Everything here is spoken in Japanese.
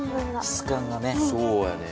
質感がね。